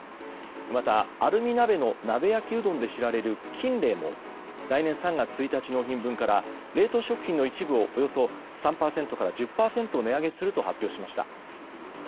また、アルミ鍋の鍋焼きうどんで知られるキンレイも来年３月１日納品分から冷凍食品の一部をおよそ３％から１０％値上げすると発表しました。